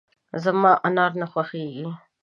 زما انار نه خوښېږي .